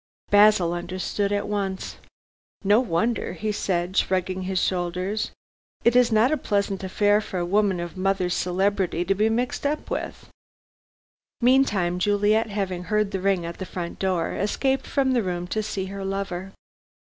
Basil understood at once. "No wonder," he said, shrugging his shoulders. "It is not a pleasant affair for a woman of mother's celebrity to be mixed up with." Meantime, Juliet having heard the ring at the front door, escaped from the room to see her lover.